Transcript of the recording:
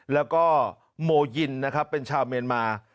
แล้วก็โมยินนะครับเป็นชาวเมียนมา